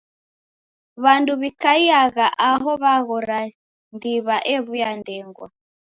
W'andu w'ikaiagha aho w'aghora ndiwa ew'uya ndengwa.